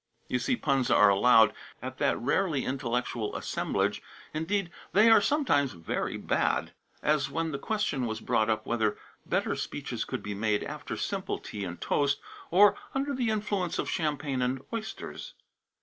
You see puns are allowed at that rarely intellectual assemblage indeed, they are sometimes very bad; as when the question was brought up whether better speeches could be made after simple tea and toast, or under the influence of champagne and oysters.